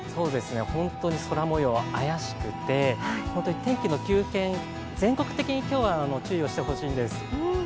本当に空もよう怪しくて、本当に天気の急転、全国的に今日は注意してほしいんです。